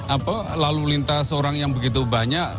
apa lalu lintas orang yang begitu banyak